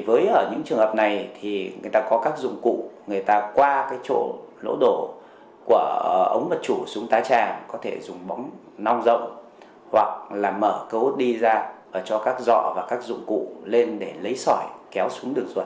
với những trường hợp này thì người ta có các dụng cụ người ta qua cái chỗ lỗ đổ của ống mật chủ xuống tá tràng có thể dùng bóng non rộng hoặc là mở cấu hốt đi ra cho các dọ và các dụng cụ lên để lấy sỏi kéo xuống đường ruột